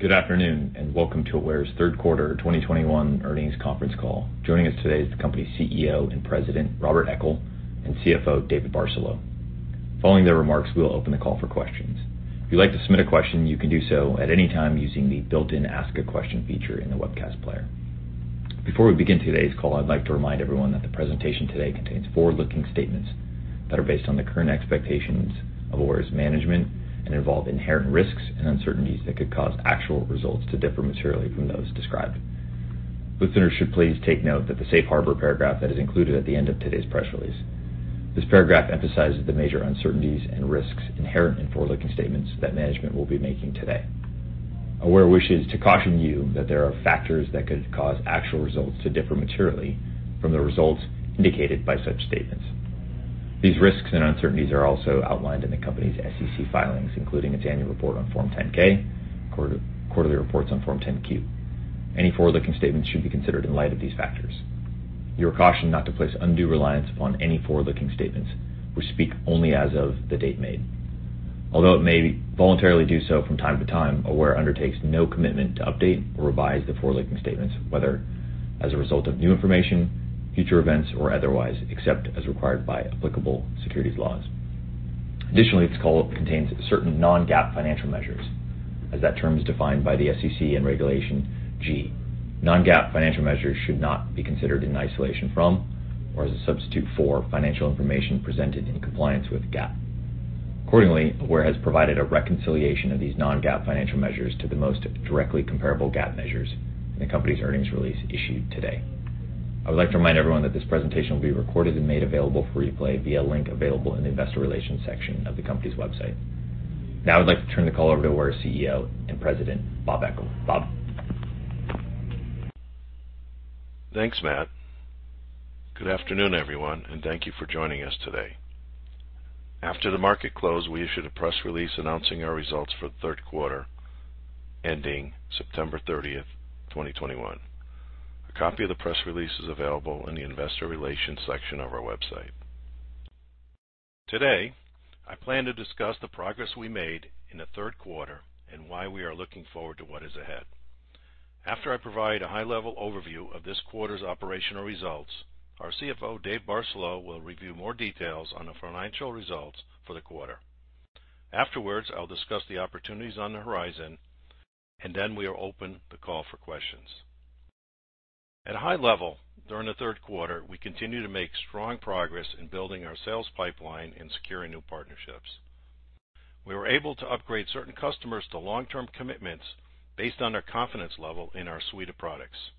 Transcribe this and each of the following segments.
Good afternoon, and welcome to Aware's third quarter 2021 earnings conference call. Joining us today is the company's CEO and President, Robert Eckel, and CFO, David Traverse. Following their remarks, we will open the call for questions. If you'd like to submit a question, you can do so at any time using the built-in Ask a Question feature in the webcast player. Before we begin today's call, I'd like to remind everyone that the presentation today contains forward-looking statements that are based on the current expectations of Aware's management and involve inherent risks and uncertainties that could cause actual results to differ materially from those described. Listeners should please take note that the safe harbor paragraph that is included at the end of today's press release. This paragraph emphasizes the major uncertainties and risks inherent in forward-looking statements that management will be making today. Aware wishes to caution you that there are factors that could cause actual results to differ materially from the results indicated by such statements. These risks and uncertainties are also outlined in the company's SEC filings, including its annual report on Form 10-K, quarterly reports on Form 10-Q. Any forward-looking statements should be considered in light of these factors. You are cautioned not to place undue reliance upon any forward-looking statements, which speak only as of the date made. Although it may voluntarily do so from time to time, Aware undertakes no commitment to update or revise the forward-looking statements, whether as a result of new information, future events, or otherwise, except as required by applicable securities laws. Additionally, this call contains certain non-GAAP financial measures as that term is defined by the SEC and Regulation G. Non-GAAP financial measures should not be considered in isolation from or as a substitute for financial information presented in compliance with GAAP. Accordingly, Aware has provided a reconciliation of these non-GAAP financial measures to the most directly comparable GAAP measures in the company's earnings release issued today. I would like to remind everyone that this presentation will be recorded and made available for replay via a link available in the investor relations section of the company's website. Now I'd like to turn the call over to Aware's CEO and President, Bob Eckel. Bob. Thanks, Matt. Good afternoon, everyone, and thank you for joining us today. After the market closed, we issued a press release announcing our results for the third quarter ending September 30, 2021. A copy of the press release is available in the investor relations section of our website. Today, I plan to discuss the progress we made in the third quarter and why we are looking forward to what is ahead. After I provide a high-level overview of this quarter's operational results, our CFO, David Traverse, will review more details on the financial results for the quarter. Afterwards, I'll discuss the opportunities on the horizon, and then we will open the call for questions. At a high level, during the third quarter, we continued to make strong progress in building our sales pipeline and securing new partnerships. We were able to upgrade certain customers to long-term commitments based on their confidence level in our suite of products.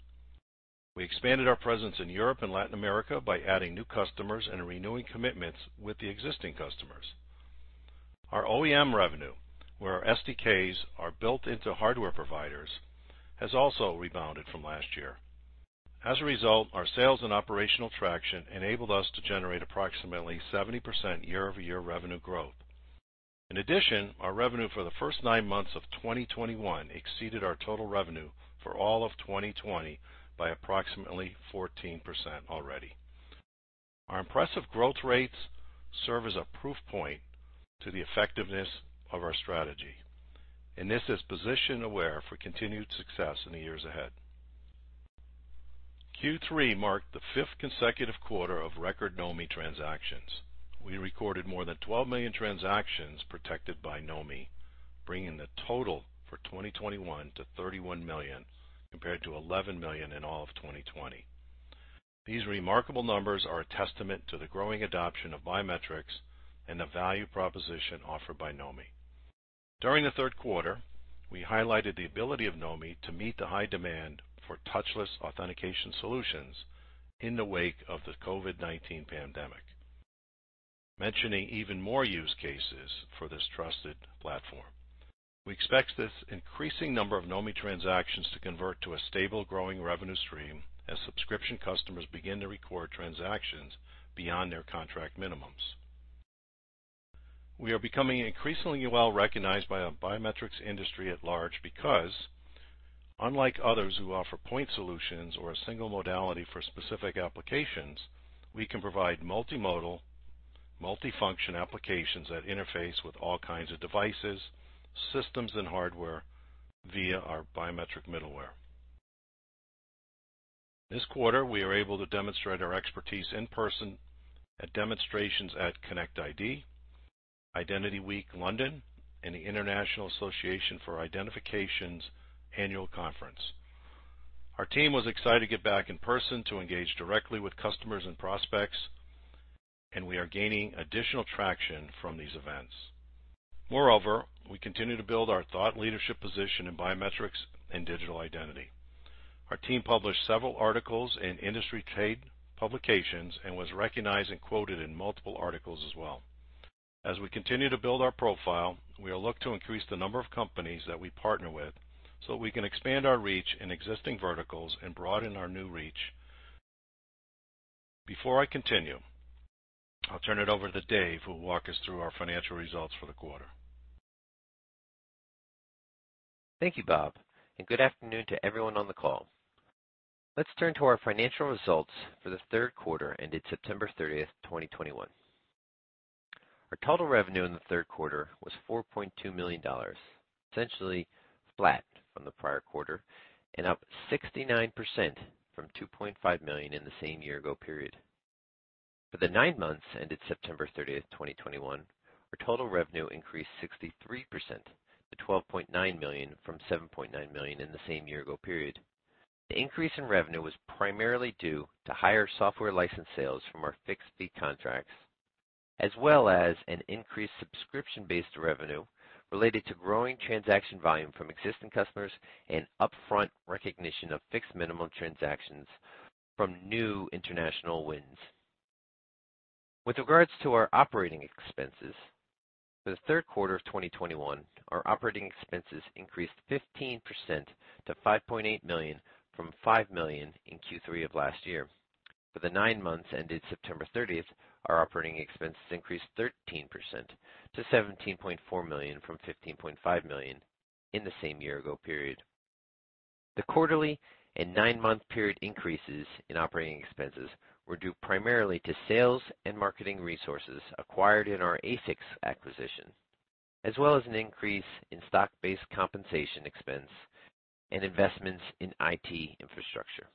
We expanded our presence in Europe and Latin America by adding new customers and renewing commitments with the existing customers. Our OEM revenue, where our SDKs are built into hardware providers, has also rebounded from last year. As a result, our sales and operational traction enabled us to generate approximately 70% year-over-year revenue growth. In addition, our revenue for the first nine months of 2021 exceeded our total revenue for all of 2020 by approximately 14% already. Our impressive growth rates serve as a proof point to the effectiveness of our strategy, and this has positioned Aware for continued success in the years ahead. Q3 marked the fifth consecutive quarter of record Knomi transactions. We recorded more than 12 million transactions protected by Knomi, bringing the total for 2021 to 31 million, compared to 11 million in all of 2020. These remarkable numbers are a testament to the growing adoption of biometrics and the value proposition offered by Knomi. During the third quarter, we highlighted the ability of Knomi to meet the high demand for touchless authentication solutions in the wake of the COVID-19 pandemic, mentioning even more use cases for this trusted platform. We expect this increasing number of Knomi transactions to convert to a stable growing revenue stream as subscription customers begin to record transactions beyond their contract minimums. We are becoming increasingly well-recognized by our biometrics industry at large because, unlike others who offer point solutions or a single modality for specific applications, we can provide multimodal, multifunction applications that interface with all kinds of devices, systems, and hardware via our biometric middleware. This quarter, we are able to demonstrate our expertise in person at demonstrations at connect:ID, Identity Week Europe, and the International Association for Identification's annual conference. Our team was excited to get back in person to engage directly with customers and prospects, and we are gaining additional traction from these events. Moreover, we continue to build our thought leadership position in biometrics and digital identity. Our team published several articles in industry trade publications and was recognized and quoted in multiple articles as well. As we continue to build our profile, we will look to increase the number of companies that we partner with so we can expand our reach in existing verticals and broaden our new reach. Before I continue, I'll turn it over to Dave, who will walk us through our financial results for the quarter. Thank you, Bob, and good afternoon to everyone on the call. Let's turn to our financial results for the third quarter ended September 30, 2021. Our total revenue in the third quarter was $4.2 million, essentially flat from the prior quarter and up 69% from $2.5 million in the same year-ago period. For the nine months ended September 30, 2021, our total revenue increased 63% to $12.9 million from $7.9 million in the same year-ago period. The increase in revenue was primarily due to higher software license sales from our fixed fee contracts, as well as an increased subscription-based revenue related to growing transaction volume from existing customers and upfront recognition of fixed minimum transactions from new international wins. With regards to our operating expenses, for the third quarter of 2021, our operating expenses increased 15% to $5.8 million from $5 million in Q3 of last year. For the nine months ended September 30, our operating expenses increased 13% to $17.4 million from $15.5 million in the same year-ago period. The quarterly and nine-month period increases in operating expenses were due primarily to sales and marketing resources acquired in our AFIX acquisition, as well as an increase in stock-based compensation expense and investments in IT infrastructure.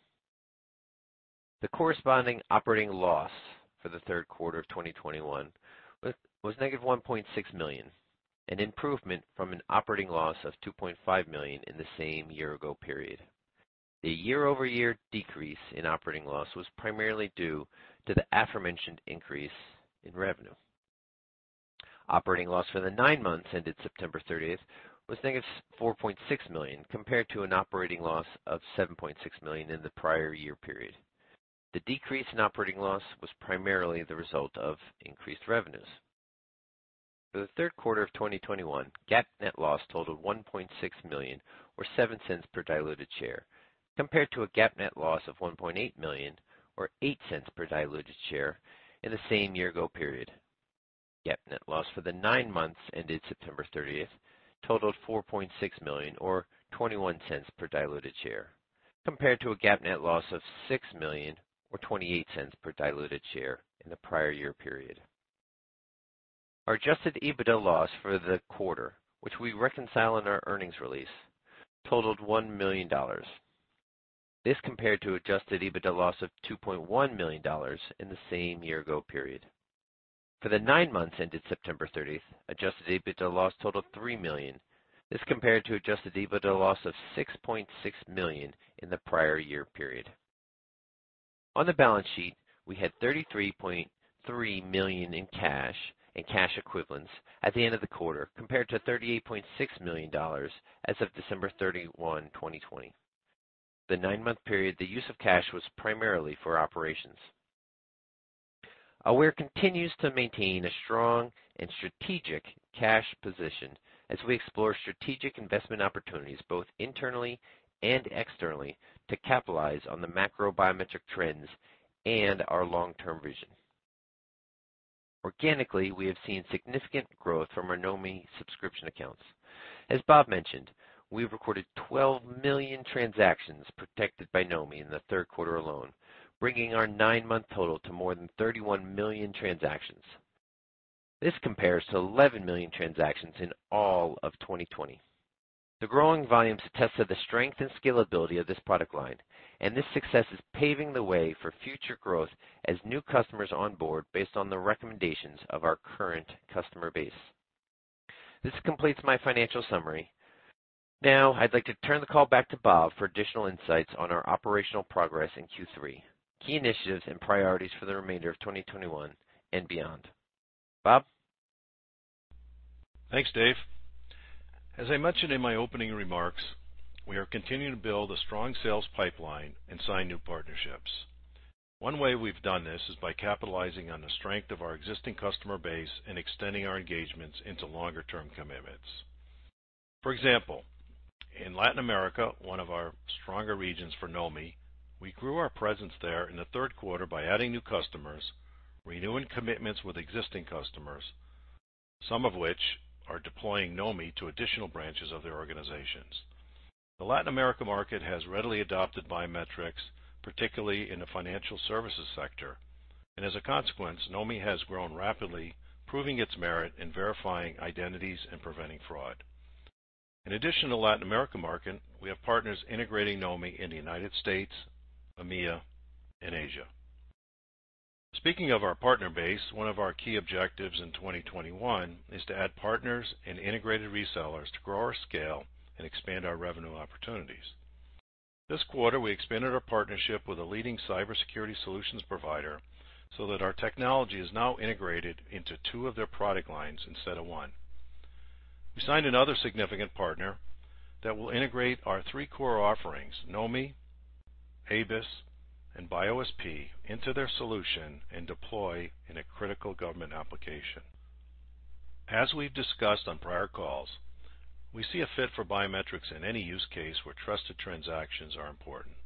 The corresponding operating loss for the third quarter of 2021 was -$1.6 million, an improvement from an operating loss of $2.5 million in the same year-ago period. The year-over-year decrease in operating loss was primarily due to the aforementioned increase in revenue. Operating loss for the nine months ended September 30 was -$4.6 million, compared to an operating loss of $7.6 million in the prior-year period. The decrease in operating loss was primarily the result of increased revenues. For Q3 2021, GAAP net loss totaled $1.6 million or $0.07 per diluted share, compared to a GAAP net loss of $1.8 million or $0.08 per diluted share in the year-ago period. GAAP net loss for the nine months ended September 30 totaled $4.6 million or $0.21 per diluted share, compared to a GAAP net loss of $6 million or $0.28 per diluted share in the prior-year period. Our adjusted EBITDA loss for the quarter, which we reconcile in our earnings release, totaled $1 million. This compared to adjusted EBITDA loss of $2.1 million in the same year-ago period. For the nine months ended September 30, adjusted EBITDA loss totaled $3 million. This compared to adjusted EBITDA loss of $6.6 million in the prior year period. On the balance sheet, we had $33.3 million in cash and cash equivalents at the end of the quarter, compared to $38.6 million as of December 31, 2020. During the nine-month period, the use of cash was primarily for operations. Aware continues to maintain a strong and strategic cash position as we explore strategic investment opportunities, both internally and externally, to capitalize on the macro biometric trends and our long-term vision. Organically, we have seen significant growth from our Knomi subscription accounts. As Bob mentioned, we've recorded 12 million transactions protected by Knomi in the third quarter alone, bringing our nine-month total to more than 31 million transactions. This compares to 11 million transactions in all of 2020. The growing volumes attest to the strength and scalability of this product line, and this success is paving the way for future growth as new customers on board based on the recommendations of our current customer base. This completes my financial summary. Now, I'd like to turn the call back to Bob for additional insights on our operational progress in Q3, key initiatives, and priorities for the remainder of 2021 and beyond. Bob? Thanks, Dave. As I mentioned in my opening remarks, we are continuing to build a strong sales pipeline and sign new partnerships. One way we've done this is by capitalizing on the strength of our existing customer base and extending our engagements into longer-term commitments. For example, in Latin America, one of our stronger regions for Knomi, we grew our presence there in the third quarter by adding new customers, renewing commitments with existing customers, some of which are deploying Knomi to additional branches of their organizations. The Latin America market has readily adopted biometrics, particularly in the financial services sector, and as a consequence, Knomi has grown rapidly, proving its merit in verifying identities and preventing fraud. In addition to Latin America market, we have partners integrating Knomi in the United States, EMEA, and Asia. Speaking of our partner base, one of our key objectives in 2021 is to add partners and integrated resellers to grow our scale and expand our revenue opportunities. This quarter, we expanded our partnership with a leading cybersecurity solutions provider so that our technology is now integrated into two of their product lines instead of one. We signed another significant partner that will integrate our three core offerings, Knomi, ABIS, and BioSP, into their solution and deploy in a critical government application. As we've discussed on prior calls, we see a fit for biometrics in any use case where trusted transactions are important.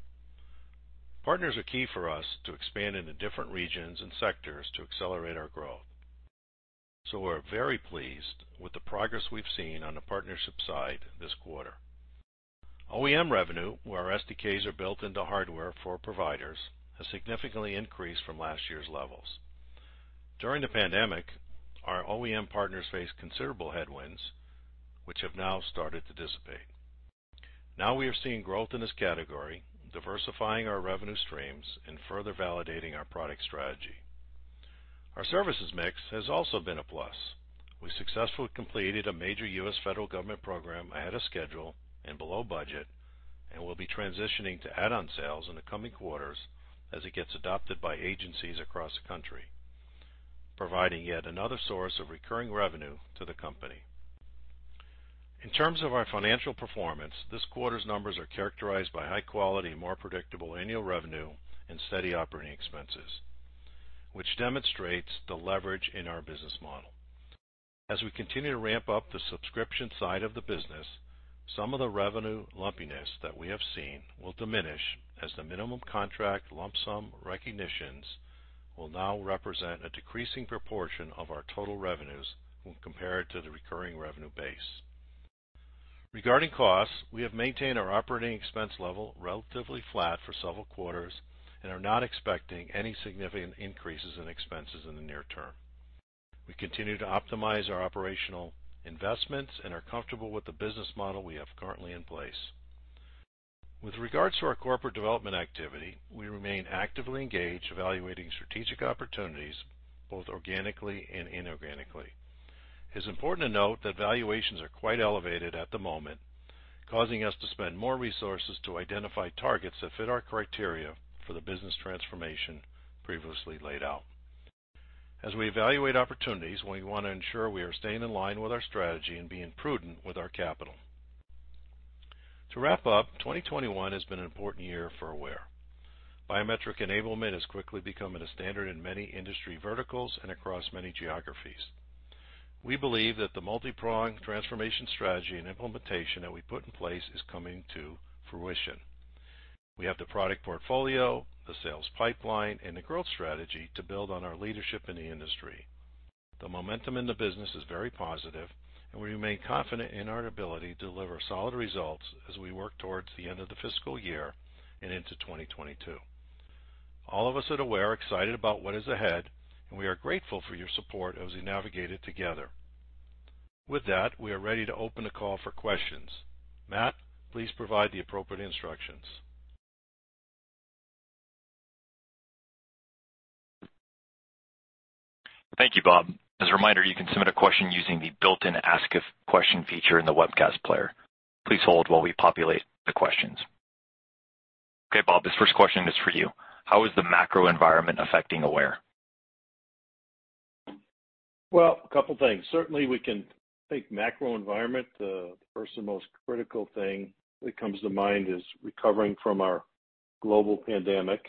Partners are key for us to expand into different regions and sectors to accelerate our growth. We're very pleased with the progress we've seen on the partnership side this quarter. OEM revenue, where our SDKs are built into hardware for providers, has significantly increased from last year's levels. During the pandemic, our OEM partners faced considerable headwinds which have now started to dissipate. Now we are seeing growth in this category, diversifying our revenue streams and further validating our product strategy. Our services mix has also been a plus. We successfully completed a major U.S. federal government program ahead of schedule and below budget, and we'll be transitioning to add-on sales in the coming quarters as it gets adopted by agencies across the country, providing yet another source of recurring revenue to the company. In terms of our financial performance, this quarter's numbers are characterized by high quality, more predictable annual revenue, and steady operating expenses, which demonstrates the leverage in our business model. As we continue to ramp up the subscription side of the business, some of the revenue lumpiness that we have seen will diminish as the minimum contract lump sum recognitions will now represent a decreasing proportion of our total revenues when compared to the recurring revenue base. Regarding costs, we have maintained our operating expense level relatively flat for several quarters and are not expecting any significant increases in expenses in the near term. We continue to optimize our operational investments and are comfortable with the business model we have currently in place. With regards to our corporate development activity, we remain actively engaged, evaluating strategic opportunities both organically and inorganically. It's important to note that valuations are quite elevated at the moment, causing us to spend more resources to identify targets that fit our criteria for the business transformation previously laid out. As we evaluate opportunities, we want to ensure we are staying in line with our strategy and being prudent with our capital. To wrap up, 2021 has been an important year for Aware. Biometric enablement is quickly becoming a standard in many industry verticals and across many geographies. We believe that the multi-pronged transformation strategy and implementation that we put in place is coming to fruition. We have the product portfolio, the sales pipeline, and the growth strategy to build on our leadership in the industry. The momentum in the business is very positive and we remain confident in our ability to deliver solid results as we work towards the end of the fiscal year and into 2022. All of us at Aware are excited about what is ahead and we are grateful for your support as we navigate it together. With that, we are ready to open the call for questions. Matt, please provide the appropriate instructions. Thank you, Bob. As a reminder, you can submit a question using the built-in ask a question feature in the webcast player. Please hold while we populate the questions. Okay, Bob, this first question is for you. How is the macro environment affecting Aware? Well, a couple of things. Certainly, we can take macro environment. The first and most critical thing that comes to mind is recovering from our global pandemic.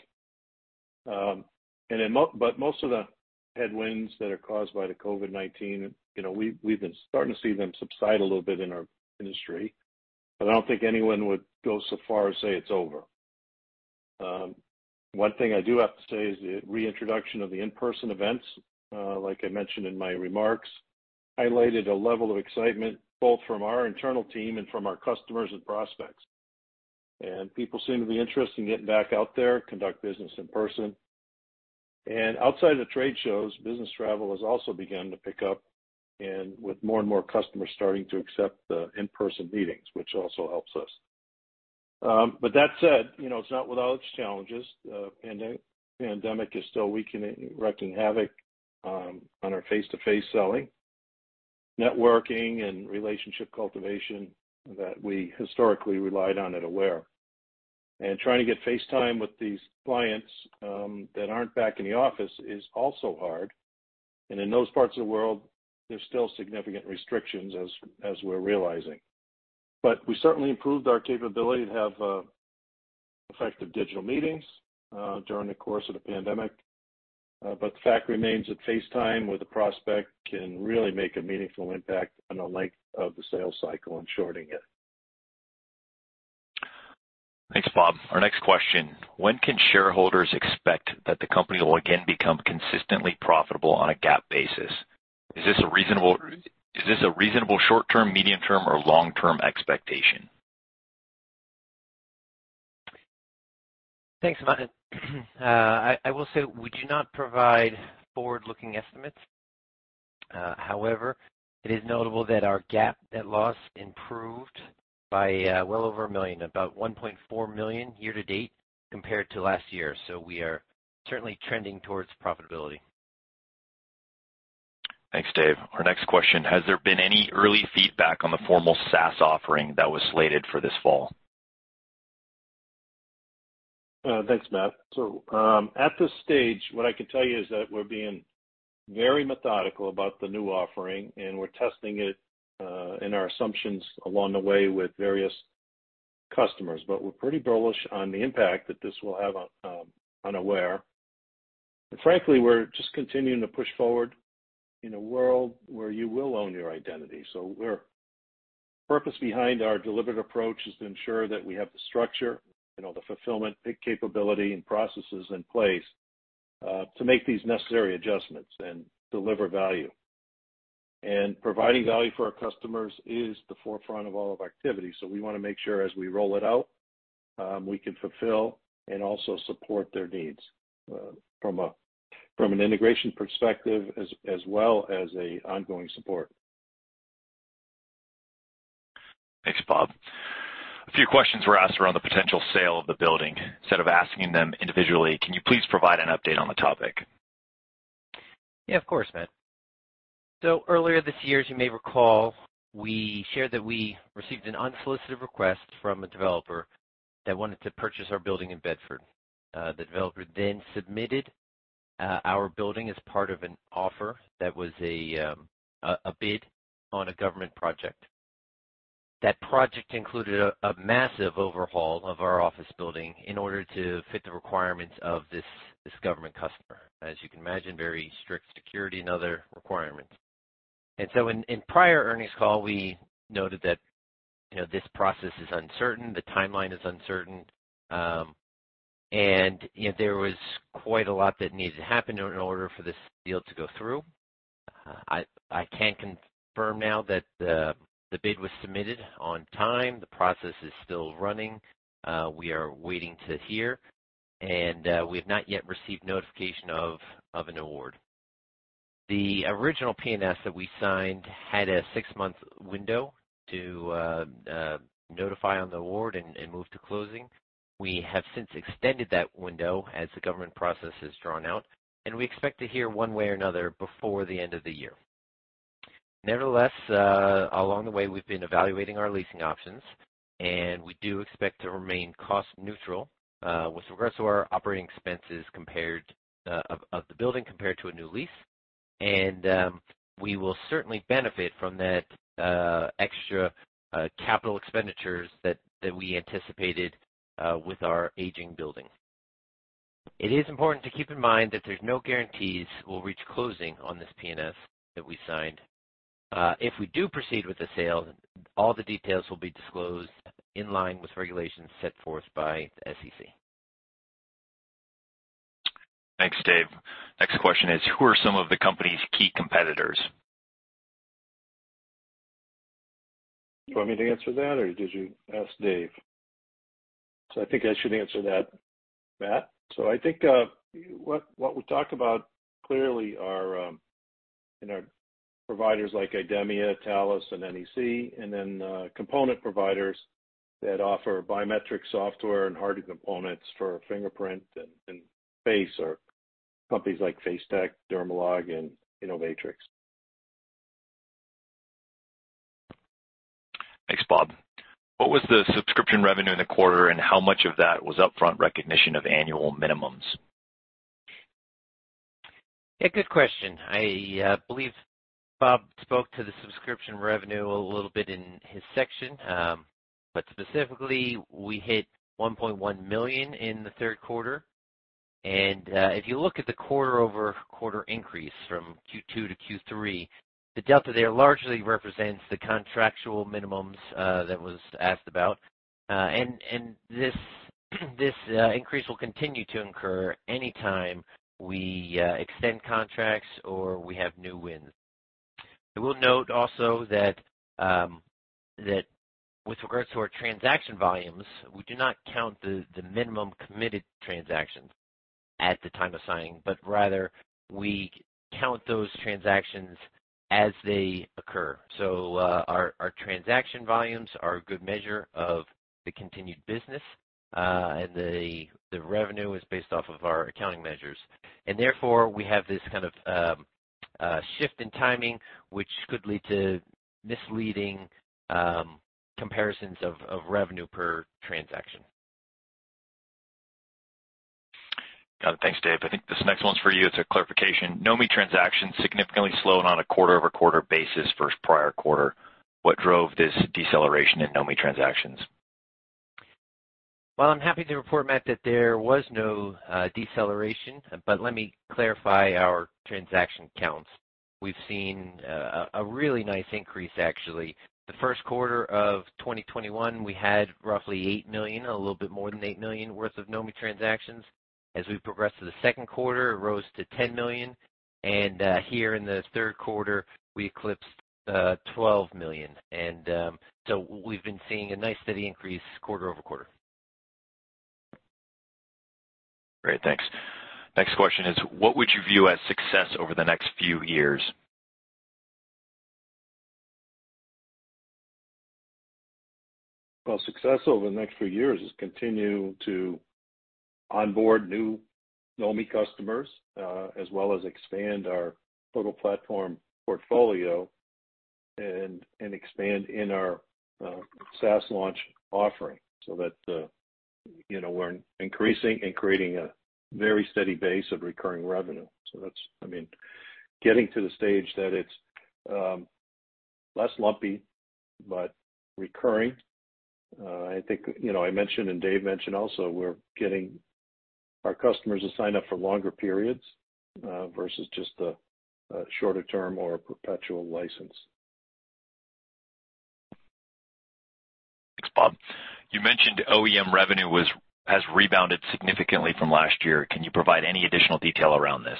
But most of the headwinds that are caused by the COVID-19, you know, we've been starting to see them subside a little bit in our industry, but I don't think anyone would go so far as say it's over. One thing I do have to say is the reintroduction of the in-person events, like I mentioned in my remarks, highlighted a level of excitement both from our internal team and from our customers and prospects. People seem to be interested in getting back out there, conduct business in person. Outside of the trade shows, business travel has also began to pick up and with more and more customers starting to accept the in-person meetings, which also helps us. That said, you know, it's not without its challenges. The pandemic is still wreaking havoc on our face-to-face selling, networking and relationship cultivation that we historically relied on at Aware. Trying to get face time with these clients that aren't back in the office is also hard. In those parts of the world, there's still significant restrictions as we're realizing. We certainly improved our capability to have effective digital meetings during the course of the pandemic. The fact remains that face time with a prospect can really make a meaningful impact on the length of the sales cycle and shortening it. Thanks, Bob. Our next question, when can shareholders expect that the company will again become consistently profitable on a GAAP basis? Is this a reasonable short-term, medium-term, or long-term expectation? Thanks, Matt. I will say we do not provide forward-looking estimates. However, it is notable that our GAAP net loss improved by well over a million, about $1.4 million year to date compared to last year. We are certainly trending towards profitability. Thanks, Dave. Our next question. Has there been any early feedback on the formal SaaS offering that was slated for this fall? Thanks, Matt. At this stage, what I can tell you is that we're being very methodical about the new offering, and we're testing it, and our assumptions along the way with various customers. We're pretty bullish on the impact that this will have on Aware. Frankly, we're just continuing to push forward in a world where you will own your identity. The purpose behind our deliberate approach is to ensure that we have the structure, you know, the fulfillment, pick capability, and processes in place, to make these necessary adjustments and deliver value. Providing value for our customers is the forefront of all of our activity. We want to make sure as we roll it out, we can fulfill and also support their needs, from an integration perspective as well as ongoing support. Thanks, Bob. A few questions were asked around the potential sale of the building. Instead of asking them individually, can you please provide an update on the topic? Yeah, of course, Matt. Earlier this year, as you may recall, we shared that we received an unsolicited request from a developer that wanted to purchase our building in Bedford. The developer then submitted our building as part of an offer that was a bid on a government project. That project included a massive overhaul of our office building in order to fit the requirements of this government customer. As you can imagine, very strict security and other requirements. In prior earnings call, we noted that, you know, this process is uncertain, the timeline is uncertain, and there was quite a lot that needed to happen in order for this deal to go through. I can confirm now that the bid was submitted on time. The process is still running. We are waiting to hear, and we have not yet received notification of an award. The original P&S that we signed had a six-month window to notify on the award and move to closing. We have since extended that window as the government process has drawn out, and we expect to hear one way or another before the end of the year. Nevertheless, along the way, we've been evaluating our leasing options, and we do expect to remain cost neutral with regards to our operating expenses compared to the cost of the building compared to a new lease. We will certainly benefit from that extra capital expenditures that we anticipated with our aging building. It is important to keep in mind that there's no guarantees we'll reach closing on this P&S that we signed. If we do proceed with the sale, all the details will be disclosed in line with regulations set forth by the SEC. Thanks, Dave. Next question is, who are some of the company's key competitors? You want me to answer that, or did you ask Dave? I think I should answer that, Matt. I think what we talk about clearly are, you know, providers like IDEMIA, Thales, and NEC, and then component providers that offer biometric software and hardware components for fingerprint and face are companies like FaceTec, DERMALOG, and Innovatrics. Thanks, Bob. What was the subscription revenue in the quarter, and how much of that was upfront recognition of annual minimums? Yeah, good question. I believe Bob spoke to the subscription revenue a little bit in his section. Specifically, we hit $1.1 million in the third quarter. If you look at the quarter-over-quarter increase from Q2-Q3, the delta there largely represents the contractual minimums that was asked about. This increase will continue to incur anytime we extend contracts or we have new wins. I will note also that with regards to our transaction volumes, we do not count the minimum committed transactions at the time of signing, but rather we count those transactions as they occur. Our transaction volumes are a good measure of the continued business, and the revenue is based off of our accounting measures. Therefore, we have this kind of shift in timing, which could lead to misleading comparisons of revenue per transaction. Got it. Thanks, Dave. I think this next one's for you. It's a clarification. Knomi transactions significantly slowed on a quarter-over-quarter basis versus prior quarter. What drove this deceleration in Knomi transactions? Well, I'm happy to report, Matt, that there was no deceleration, but let me clarify our transaction counts. We've seen a really nice increase actually. The first quarter of 2021, we had roughly 8 million, a little bit more than 8 million worth of Knomi transactions. As we progressed to the second quarter, it rose to 10 million. Here in the third quarter, we eclipsed 12 million. We've been seeing a nice steady increase quarter-over-quarter. Great. Thanks. Next question is, what would you view as success over the next few years? Well, success over the next few years is continue to onboard new Knomi customers, as well as expand our Total Platform portfolio and expand in our SaaS Launch offering so that, you know, we're increasing and creating a very steady base of recurring revenue. That's I mean, getting to the stage that it's less lumpy but recurring. I think, you know, I mentioned and Dave mentioned also our customers are signed up for longer periods versus just the shorter term or perpetual license. Thanks, Bob. You mentioned OEM revenue has rebounded significantly from last year. Can you provide any additional detail around this?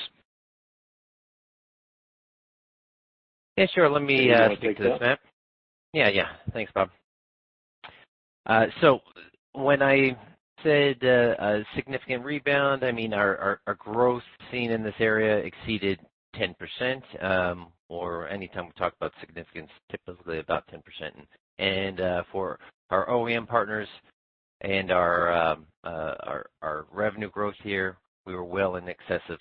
Yeah, sure. Let me take this, Matt. Dave, do you want to take that? Yeah, yeah. Thanks, Bob. So when I said a significant rebound, I mean, our growth seen in this area exceeded 10%, or anytime we talk about significance, typically about 10%. For our OEM partners and our revenue growth here, we were well in excess of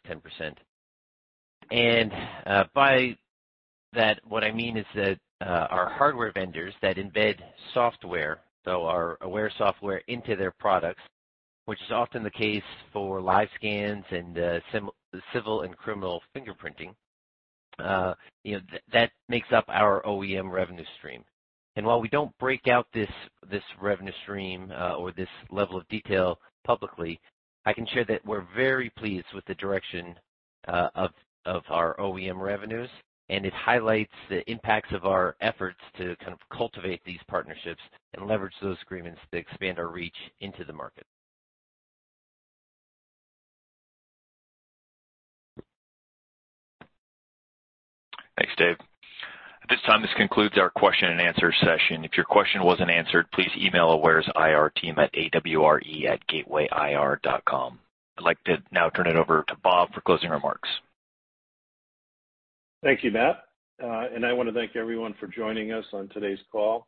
10%. By that, what I mean is that, our hardware vendors that embed software, so our Aware software into their products, which is often the case for live scans and civil and criminal fingerprinting, you know, that makes up our OEM revenue stream. While we don't break out this revenue stream or this level of detail publicly, I can share that we're very pleased with the direction of our OEM revenues, and it highlights the impacts of our efforts to kind of cultivate these partnerships and leverage those agreements to expand our reach into the market. Thanks, Dave. At this time, this concludes our question and answer session. If your question wasn't answered, please email Aware's IR team at awre@gateway-grp.com. I'd like to now turn it over to Bob for closing remarks. Thank you, Matt. I wanna thank everyone for joining us on today's call.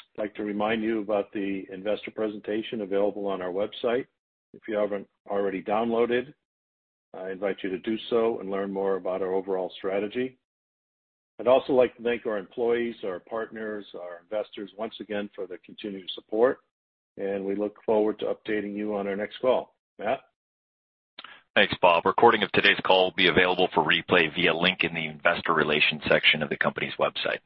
I'd like to remind you about the investor presentation available on our website. If you haven't already downloaded, I invite you to do so and learn more about our overall strategy. I'd also like to thank our employees, our partners, our investors once again for their continued support, and we look forward to updating you on our next call. Matt. Thanks, Bob. A recording of today's call will be available for replay via link in the investor relations section of the company's website.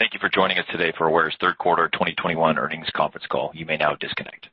Thank you for joining us today for Aware's third quarter 2021 earnings conference call. You may now disconnect.